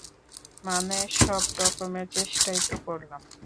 মানে, সব রকমের চেষ্টাই তো করলাম।